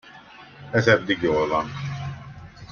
Ez eddig jól van.